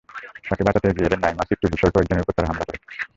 তাঁকে বাঁচাতে এগিয়ে এলে নাঈম, আসিফ, টুটুলসহ কয়েকজনের ওপর তারা হামলা করে।